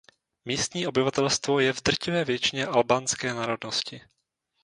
Místní obyvatelstvo je v drtivé většině albánské národnosti.